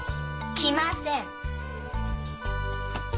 来ません！